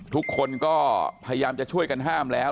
ทุกคนก็พยายามจะช่วยกันห้ามแล้ว